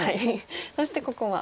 そしてここは。